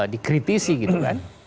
dikritisi gitu kan